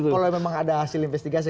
kalau memang ada hasil investigasi